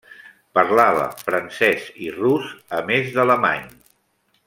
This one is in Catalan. Parlava francès i rus, a més d'alemany.